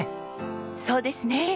そうですね。